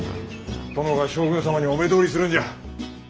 殿が将軍様にお目通りするんじゃ。